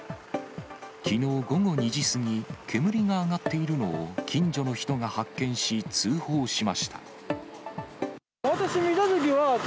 きのう午後２時過ぎ、煙が上がっているのを近所の人が発見し、通報しました。